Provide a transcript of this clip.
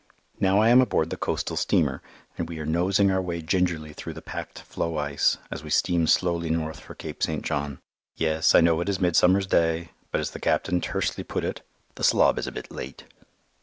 Now I am aboard the coastal steamer and we are nosing our way gingerly through the packed floe ice, as we steam slowly north for Cape St. John. Yes, I know it is Midsummer's Day, but as the captain tersely put it, "the slob is a bit late."